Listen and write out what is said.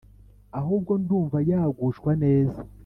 ahubwo ndumva yagushwa neza